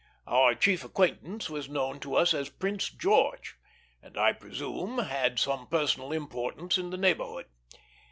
Our chief acquaintance was known to us as Prince George, and I presume had some personal importance in the neighborhood.